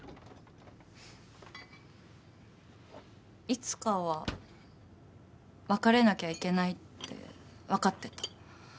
いつかは別れなきゃいけないって分かってた。